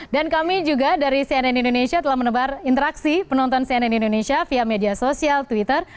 dan kami juga dari cnn indonesia telah menebar interaksi penonton cnn indonesia via media sosial twitter